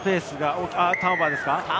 ターンオーバーですか？